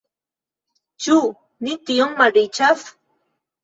Ĉu ni tiom malriĉas?